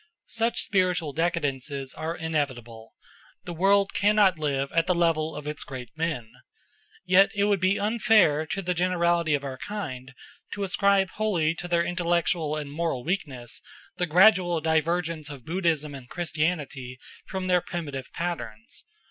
Such spiritual decadences are inevitable. The world cannot live at the level of its great men. Yet it would be unfair to the generality of our kind to ascribe wholly to their intellectual and moral weakness the gradual divergence of Buddhism and Christianity from their primitive patterns.